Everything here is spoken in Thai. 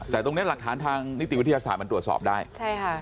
แต่ตรงเนี้ยหลักฐานทางนิติวิทยาศาสตร์มันตรวจสอบได้ใช่ค่ะ